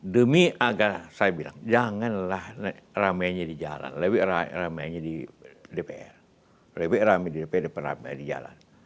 demi agar saya bilang janganlah rame nya di jalan lebih rame nya di dpr lebih rame di dpr daripada rame di jalan